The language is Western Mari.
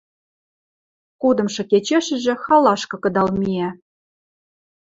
Кудымшы кечешӹжӹ халашкы кыдал миӓ.